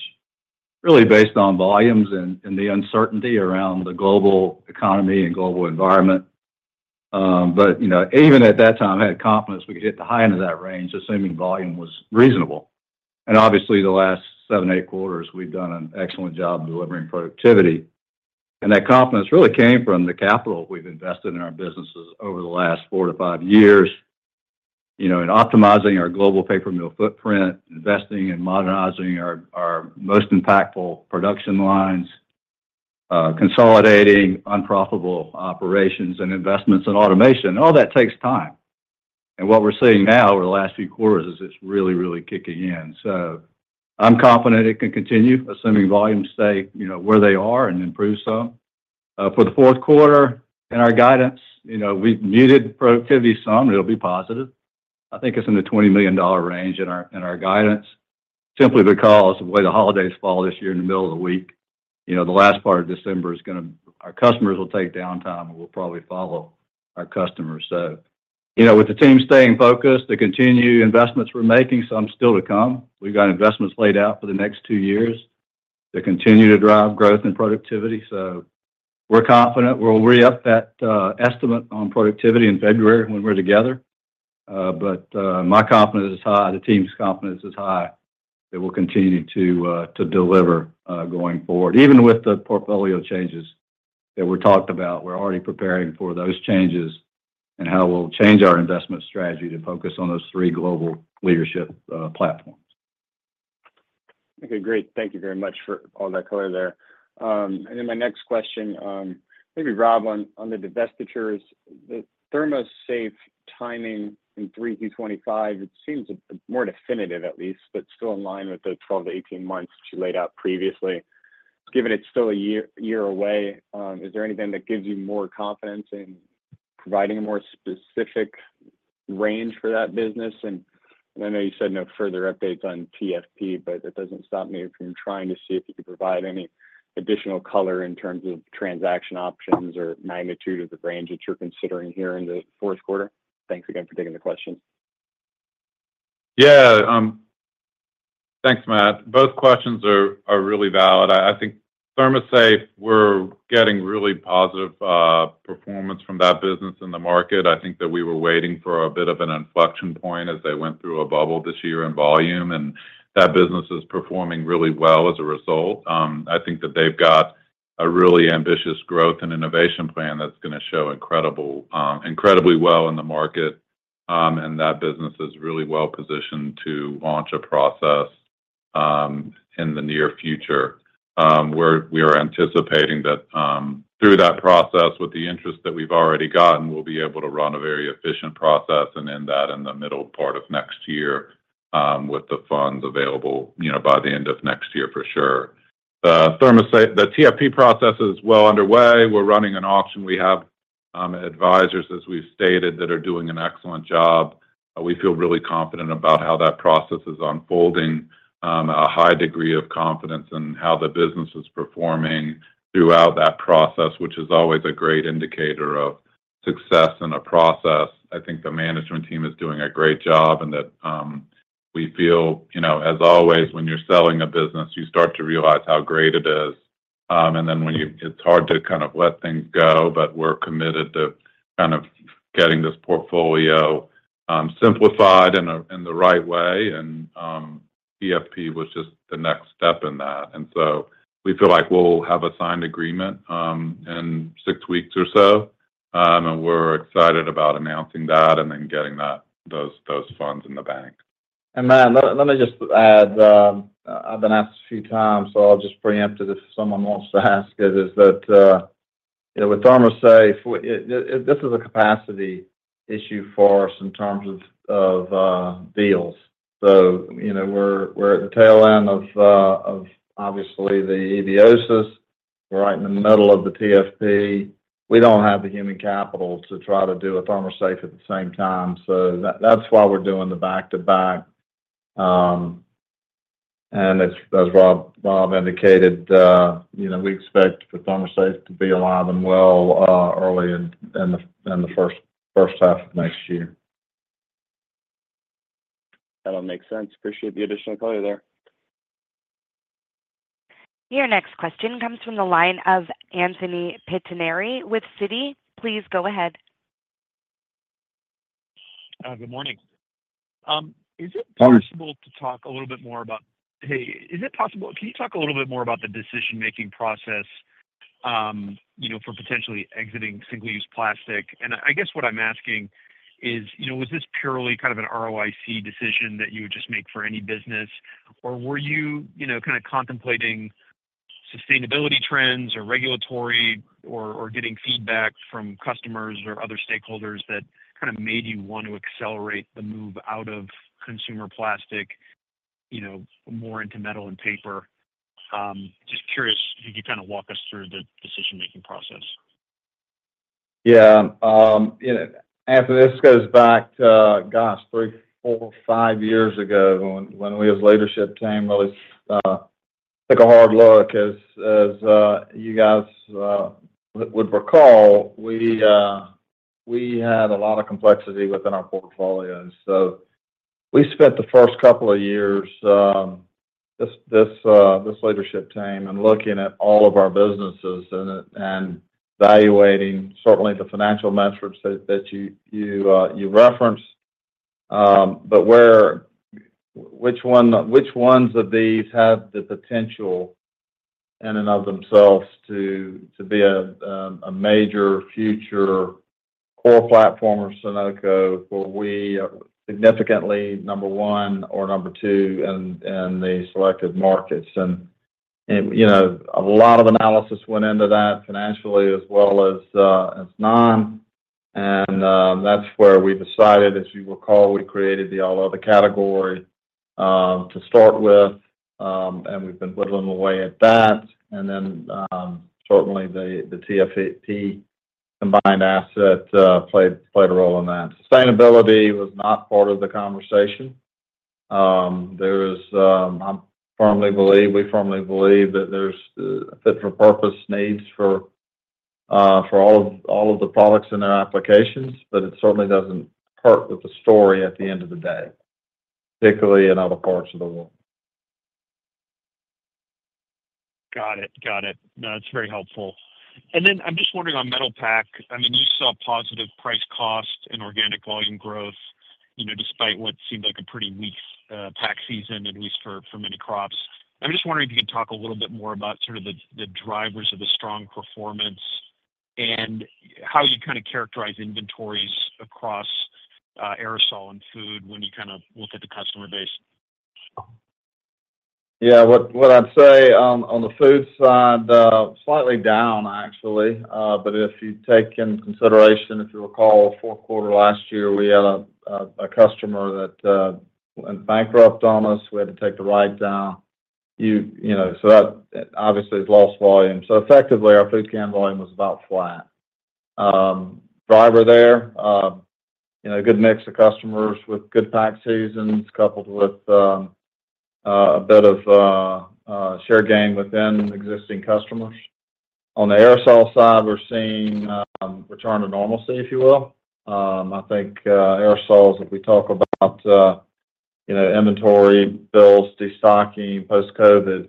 really based on volumes and the uncertainty around the global economy and global environment. But even at that time, I had confidence we could hit the high end of that range, assuming volume was reasonable. Obviously, the last seven, eight quarters, we've done an excellent job delivering productivity. That confidence really came from the capital we've invested in our businesses over the last four to five years in optimizing our global paper mill footprint, investing and modernizing our most impactful production lines, consolidating unprofitable operations and investments in automation. All that takes time. What we're seeing now over the last few quarters is it's really, really kicking in. So I'm confident it can continue, assuming volumes stay where they are and improve so. For the fourth quarter, in our guidance, we've muted productivity some. It'll be positive. I think it's in the $20 million range in our guidance, simply because of the way the holidays fall this year in the middle of the week. The last part of December, our customers will take downtime and we'll probably follow our customers. So with the team staying focused, the continued investments we're making, some still to come. We've got investments laid out for the next two years to continue to drive growth and productivity. So we're confident we'll re-up that estimate on productivity in February when we're together. But my confidence is high. The team's confidence is high that we'll continue to deliver going forward. Even with the portfolio changes that we talked about, we're already preparing for those changes and how we'll change our investment strategy to focus on those three global leadership platforms. Okay, great. Thank you very much for all that color there. And then my next question, maybe Rob, on the divestitures, the ThermoSafe timing in 3Q25. It seems more definitive at least, but still in line with the 12 months to 18 months that you laid out previously. Given it's still a year away, is there anything that gives you more confidence in providing a more specific range for that business? And I know you said no further updates on TFP, but it doesn't stop me from trying to see if you could provide any additional color in terms of transaction options or magnitude of the range that you're considering here in the fourth quarter. Thanks again for taking the question. Yeah, thanks, Matt. Both questions are really valid. I think ThermoSafe, we're getting really positive performance from that business in the market. I think that we were waiting for a bit of an inflection point as they went through a bubble this year in volume, and that business is performing really well as a result. I think that they've got a really ambitious growth and innovation plan that's going to show incredibly well in the market, and that business is really well positioned to launch a process in the near future. We are anticipating that through that process, with the interest that we've already gotten, we'll be able to run a very efficient process and end that in the middle part of next year with the funds available by the end of next year for sure. The TFP process is well underway. We're running an auction. We have advisors, as we've stated, that are doing an excellent job. We feel really confident about how that process is unfolding, a high degree of confidence in how the business is performing throughout that process, which is always a great indicator of success in a process. I think the management team is doing a great job and that we feel, as always, when you're selling a business, you start to realize how great it is, and then it's hard to kind of let things go, but we're committed to kind of getting this portfolio simplified in the right way, and TFP was just the next step in that, and so we feel like we'll have a signed agreement in six weeks or so, and we're excited about announcing that and then getting those funds in the bank. Matt, let me just add. I've been asked a few times, so I'll just preempt it if someone wants to ask it. Is that with ThermoSafe, this is a capacity issue for us in terms of deals? So we're at the tail end of obviously the Eviosys. We're right in the middle of the TFP. We don't have the human capital to try to do a ThermoSafe at the same time. So that's why we're doing the back-to-back. And as Rob indicated, we expect for ThermoSafe to be alive and well early in the first half of next year. That all makes sense. Appreciate the additional color there. Your next question comes from the line of Anthony Pettinari with Citi. Please go ahead. Good morning. Is it possible to talk a little bit more about, hey, is it possible? Can you talk a little bit more about the decision-making process for potentially exiting single-use plastic? And I guess what I'm asking is, was this purely kind of an ROIC decision that you would just make for any business, or were you kind of contemplating sustainability trends or regulatory or getting feedback from customers or other stakeholders that kind of made you want to accelerate the move out of Consumer plastic more into metal and paper? Just curious, could you kind of walk us through the decision-making process? Yeah. Anthony, this goes back to, gosh, three, four, five years ago when we as leadership team really took a hard look. As you guys would recall, we had a lot of complexity within our portfolio. So we spent the first couple of years, this leadership team, and looking at all of our businesses and evaluating certainly the financial metrics that you referenced. But which ones of these have the potential in and of themselves to be a major future core platform of Sonoco where we significantly, number one or number two in the selected markets? And a lot of analysis went into that financially as well as none. And that's where we decided, as you recall, we created the all-other category to start with, and we've been whittling away at that. And then certainly the TFP combined asset played a role in that. Sustainability was not part of the conversation. I firmly believe, we firmly believe that there's fit for purpose needs for all of the products in their applications, but it certainly doesn't hurt with the story at the end of the day, particularly in other parts of the world. Got it. Got it. That's very helpful. And then I'm just wondering on Metal Packaging, I mean, you saw positive price cost and organic volume growth despite what seemed like a pretty weak pack season at least for many crops. I'm just wondering if you could talk a little bit more about sort of the drivers of the strong performance and how you kind of characterize inventories across aerosol and food when you kind of look at the customer base. Yeah. What I'd say on the food side, slightly down actually. But if you take into consideration, if you recall, fourth quarter last year, we had a customer that went bankrupt on us. We had to take the write-down. So that obviously has lost volume. So effectively, our food can volume was about flat. The driver there, a good mix of customers with good peak seasons, coupled with a bit of share gain within existing customers. On the aerosol side, we're seeing return to normalcy, if you will. I think aerosols, if we talk about inventory builds, destocking post-COVID,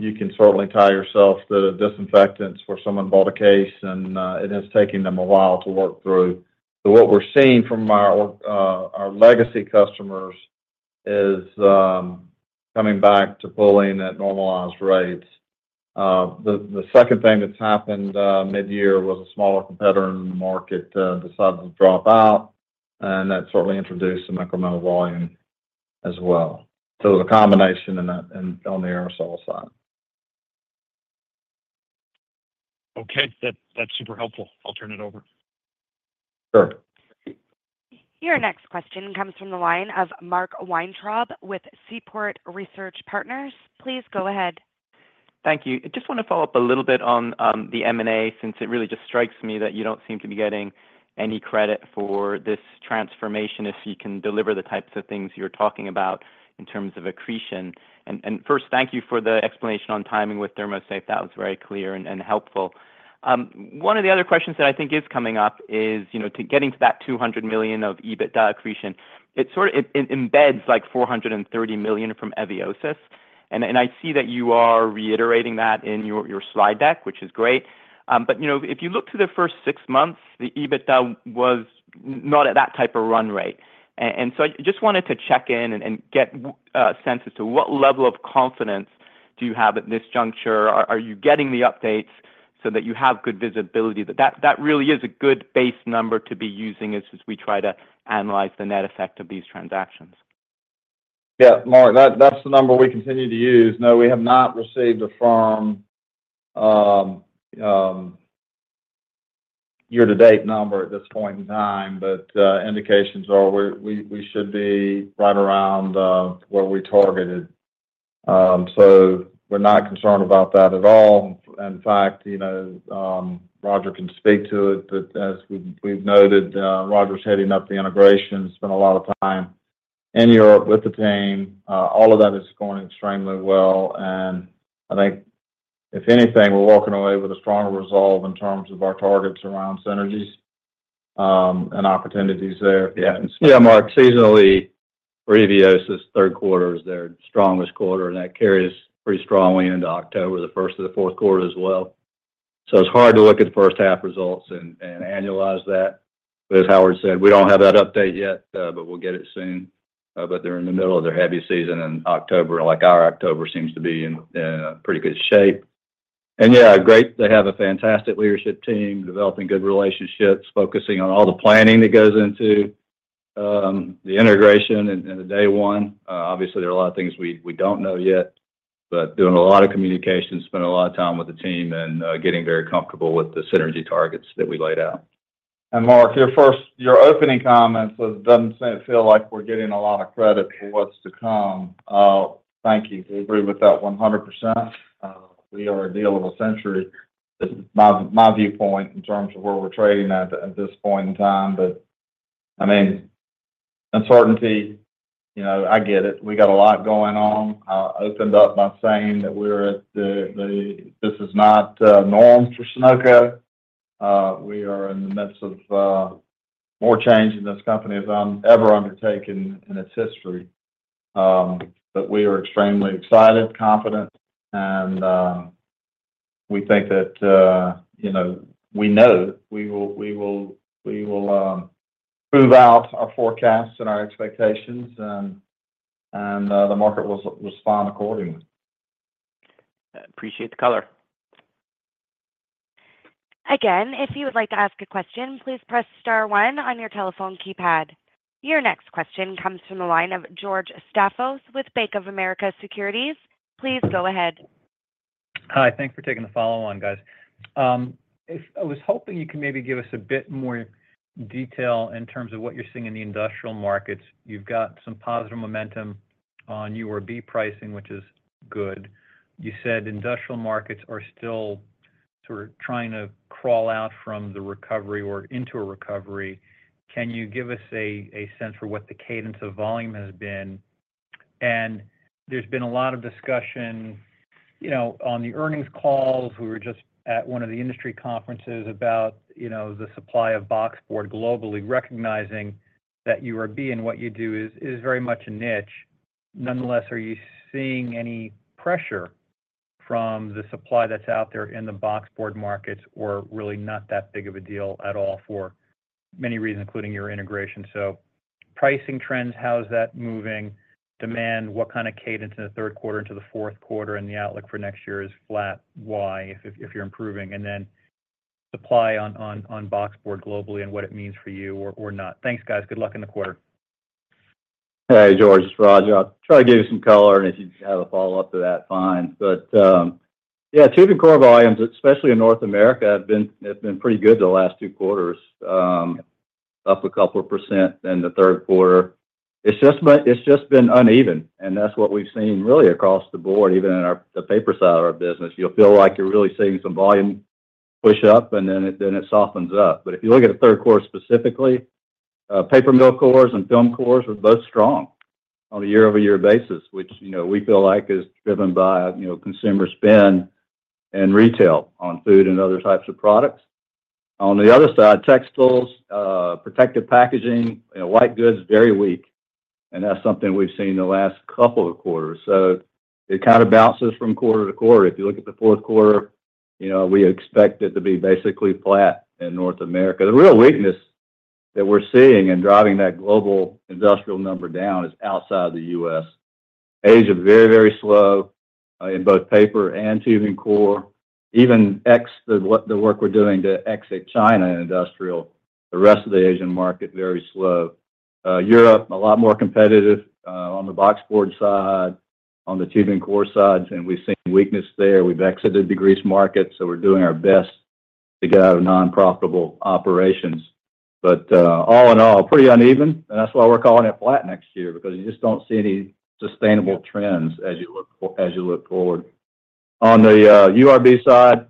you can certainly tie yourself to disinfectants where someone bought a case and it has taken them a while to work through. But what we're seeing from our legacy customers is coming back to pulling at normalized rates. The second thing that's happened mid-year was a smaller competitor in the market decided to drop out, and that certainly introduced some incremental volume as well. So it was a combination on the aerosol side. Okay. That's super helpful. I'll turn it over. Sure. Your next question comes from the line of Mark Weintraub with Seaport Research Partners. Please go ahead. Thank you. I just want to follow up a little bit on the M&A since it really just strikes me that you don't seem to be getting any credit for this transformation if you can deliver the types of things you're talking about in terms of accretion. And first, thank you for the explanation on timing with ThermoSafe. That was very clear and helpful. One of the other questions that I think is coming up is getting to that $200 million of EBITDA accretion. It embeds like $430 million from Eviosys. And I see that you are reiterating that in your slide deck, which is great. But if you look to the first six months, the EBITDA was not at that type of run rate. And so I just wanted to check in and get a sense as to what level of confidence do you have at this juncture? Are you getting the updates so that you have good visibility? That really is a good base number to be using as we try to analyze the net effect of these transactions. Yeah, Mark, that's the number we continue to use. No, we have not received a firm year-to-date number at this point in time, but indications are we should be right around where we targeted. So we're not concerned about that at all. In fact, Rodger can speak to it, but as we've noted, Rodger's heading up the integration. He spent a lot of time in Europe with the team. All of that is going extremely well. And I think if anything, we're walking away with a stronger resolve in terms of our targets around synergies and opportunities there. Yeah, Mark, seasonally, Eviosys third quarter is their strongest quarter, and that carries pretty strongly into October, the first of the fourth quarter as well. So it's hard to look at the first half results and annualize that. But as Howard said, we don't have that update yet, but we'll get it soon. But they're in the middle of their heavy season in October, and our October seems to be in pretty good shape. And yeah, great. They have a fantastic leadership team, developing good relationships, focusing on all the planning that goes into the integration and the day one. Obviously, there are a lot of things we don't know yet, but doing a lot of communication, spending a lot of time with the team, and getting very comfortable with the synergy targets that we laid out. And Mark, your opening comments don't feel like we're getting a lot of credit for what's to come. Thank you. We agree with that 100%. We are a deal of the century. This is my viewpoint in terms of where we're trading at this point in time. But I mean, uncertainty, I get it. We got a lot going on. I opened up by saying that we're at the point where this is not the norm for Sonoco. We are in the midst of more change in this company than I've ever undertaken in its history, but we are extremely excited, confident, and we think that we know we will move out our forecasts and our expectations, and the market will respond accordingly. Appreciate the color. Again, if you would like to ask a question, please press star one on your telephone keypad. Your next question comes from the line of George Staphos with Bank of America Securities. Please go ahead. Hi. Thanks for taking the follow-on, guys. I was hoping you could maybe give us a bit more detail in terms of what you're seeing in the Industrial markets. You've got some positive momentum on URB pricing, which is good. You said Industrial markets are still sort of trying to crawl out from the recovery or into a recovery. Can you give us a sense for what the cadence of volume has been? And there's been a lot of discussion on the earnings calls. We were just at one of the industry conferences about the supply of boxboard globally, recognizing that URB and what you do is very much a niche. Nonetheless, are you seeing any pressure from the supply that's out there in the boxboard markets or really not that big of a deal at all for many reasons, including your integration? So pricing trends, how's that moving? Demand, what kind of cadence in the third quarter into the fourth quarter and the outlook for next year is flat? Why, if you're improving? And then supply on boxboard globally and what it means for you or not. Thanks, guys. Good luck in the quarter. Hey, George. Rodger. I'll try to give you some color, and if you have a follow-up to that, fine, but yeah, tube and core volumes, especially in North America, have been pretty good the last two quarters, up a couple of % in the third quarter. It's just been uneven, and that's what we've seen really across the board, even in the paper side of our business. You'll feel like you're really seeing some volume push up, and then it softens up. But if you look at the third quarter specifically, paper mill cores and film cores were both strong on a year-over-year basis, which we feel like is driven by Consumer spend and retail on food and other types of products. On the other side, textiles, protective packaging, white goods very weak, and that's something we've seen the last couple of quarters, so it kind of bounces from quarter to quarter. If you look at the fourth quarter, we expect it to be basically flat in North America. The real weakness that we're seeing and driving that global Industrial number down is outside the U.S. Asia very, very slow in both paper and tube and core. Even the work we're doing to exit China in Industrial, the rest of the Asian market very slow. Europe, a lot more competitive on the boxboard side, on the tube and core side, and we've seen weakness there. We've exited the Greece market, so we're doing our best to get out of nonprofitable operations. But all in all, pretty uneven, and that's why we're calling it flat next year because you just don't see any sustainable trends as you look forward. On the URB side,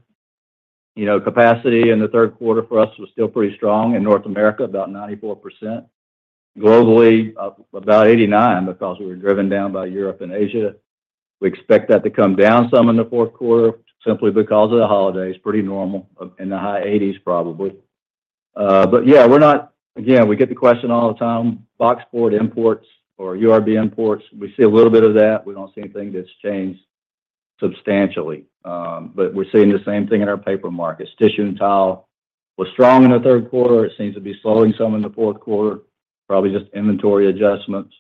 capacity in the third quarter for us was still pretty strong in North America, about 94%. Globally, about 89% because we were driven down by Europe and Asia. We expect that to come down some in the fourth quarter simply because of the holidays, pretty normal in the high 80s% probably. But yeah, we're not again, we get the question all the time, boxboard imports or URB imports. We see a little bit of that. We don't see anything that's changed substantially. But we're seeing the same thing in our paper markets. Tissue and towel were strong in the third quarter. It seems to be slowing some in the fourth quarter, probably just inventory adjustments.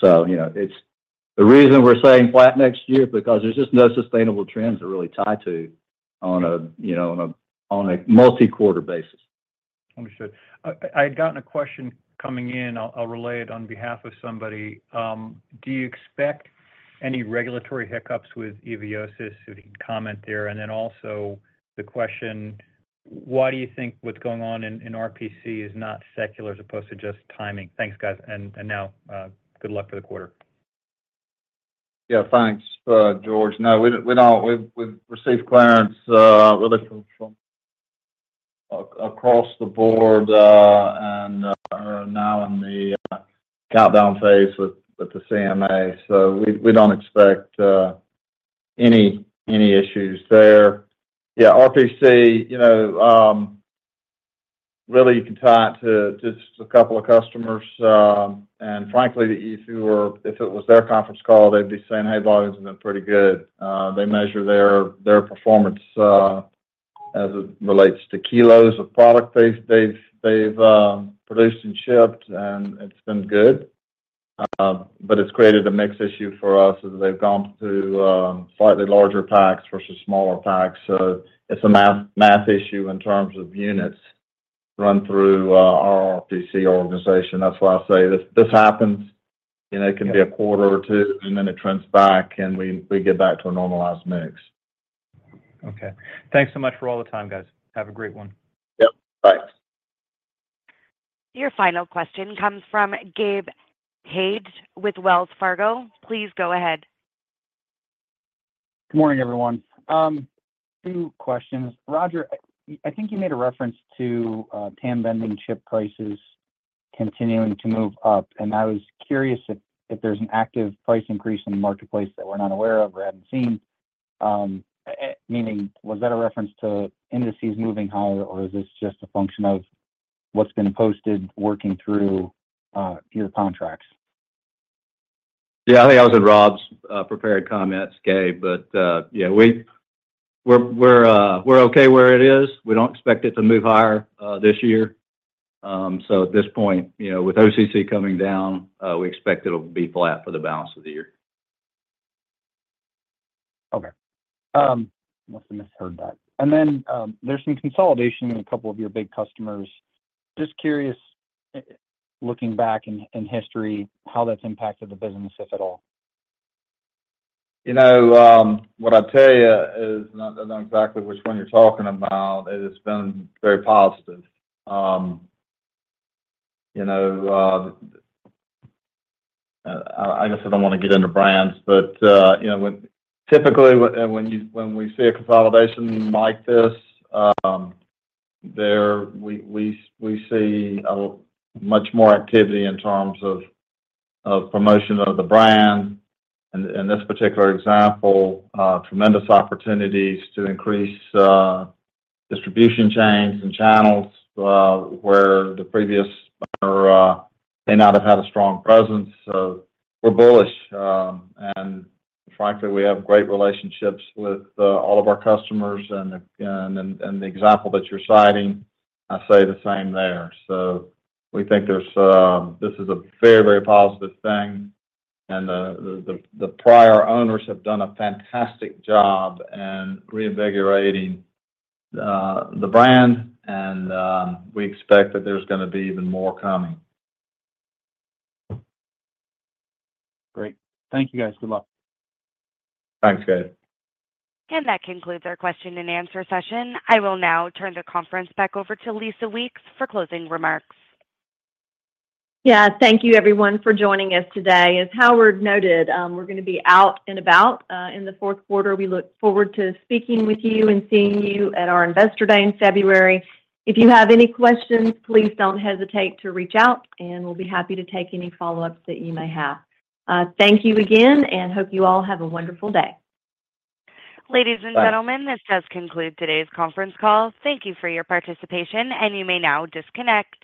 So the reason we're saying flat next year is because there's just no sustainable trends to really tie to on a multi-quarter basis. Understood. I had gotten a question coming in. I'll relay it on behalf of somebody. Do you expect any regulatory hiccups with Eviosys? If you can comment there. And then also the question, why do you think what's going on in RPC is not secular as opposed to just timing? Thanks, guys. And now, good luck for the quarter. Yeah, thanks, George. No, we've received clearance really from across the board and are now in the countdown phase with the CMA. So we don't expect any issues there. Yeah, RPC, really, you can tie it to just a couple of customers. And frankly, if it was their conference call, they'd be saying, "Hey, volumes have been pretty good." They measure their performance as it relates to kilos of product they've produced and shipped, and it's been good. But it's created a mix issue for us as they've gone to slightly larger packs versus smaller packs. So it's a math issue in terms of units run through our RPC organization. That's why I say this happens. It can be a quarter or two, and then it trends back, and we get back to a normalized mix. Okay. Thanks so much for all the time, guys. Have a great one. Yep. Thanks. Your final question comes from Gabe Hajde with Wells Fargo. Please go ahead. Good morning, everyone. Two questions. Rodger, I think you made a reference to Tan Bending Chip prices continuing to move up, and I was curious if there's an active price increase in the marketplace that we're not aware of or haven't seen. Meaning, was that a reference to indices moving higher, or is this just a function of what's been posted working through your contracts? Yeah, I think that was in Rob's prepared comments, Gabe. But yeah, we're okay where it is. We don't expect it to move higher this year. So at this point, with OCC coming down, we expect it'll be flat for the balance of the year. Okay. Must have misheard that. And then there's some consolidation in a couple of your big customers. Just curious, looking back in history, how that's impacted the business, if at all? What I'd tell you is I don't know exactly which one you're talking about. It has been very positive. I guess I don't want to get into brands, but typically, when we see a consolidation like this, we see much more activity in terms of promotion of the brand. In this particular example, tremendous opportunities to increase distribution chains and channels where the previous owner may not have had a strong presence. So we're bullish. And frankly, we have great relationships with all of our customers. And the example that you're citing, I say the same there. So we think this is a very, very positive thing. And the prior owners have done a fantastic job in reinvigorating the brand, and we expect that there's going to be even more coming. Great. Thank you, guys. Good luck. Thanks, Gabe. And that concludes our question-and-answer session. I will now turn the conference back over to Lisa Weeks for closing remarks. Yeah, thank you, everyone, for joining us today. As Howard noted, we're going to be out and about in the fourth quarter. We look forward to speaking with you and seeing you at our Investor Day in February. If you have any questions, please don't hesitate to reach out, and we'll be happy to take any follow-ups that you may have. Thank you again, and hope you all have a wonderful day. Ladies and gentlemen, this does conclude today's conference call. Thank you for your participation, and you may now disconnect.